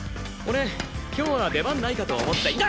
俺今日は出番ないかと思って。